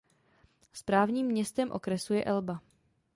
Správním městem okresu je Elba.